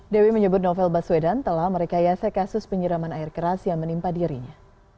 dewi menyebut novel baswedan telah merekayasa kasus penyiraman air keras yang menimpa dirinya